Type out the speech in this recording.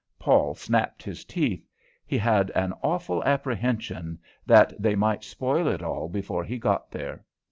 Paul snapped his teeth; he had an awful apprehension that they might spoil it all before he got there.